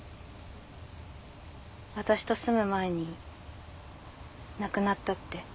私と住む前に亡くなったって。